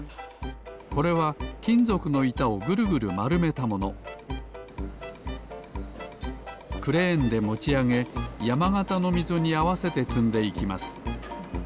これはきんぞくのいたをぐるぐるまるめたものクレーンでもちあげやまがたのみぞにあわせてつんでいきます